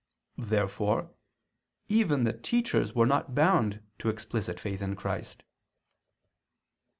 Therefore even the teachers were not bound to explicit faith in Christ.